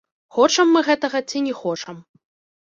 Хочам мы гэтага ці не хочам.